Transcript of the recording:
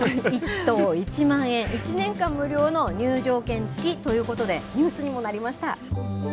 １頭１万円、１年間無料の入場券付きということで、ニュースにもなりました。